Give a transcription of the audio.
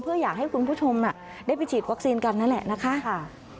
เพื่ออยากให้คุณผู้ชมได้ไปฉีดวัคซีนกันนั่นแหละนะคะ